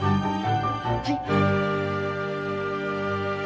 はい。